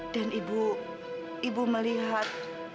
dan ibu ibu melihat